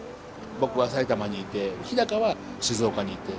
僕は埼玉にいて日は静岡にいて。